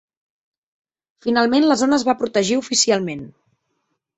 Finalment la zona es va protegir oficialment.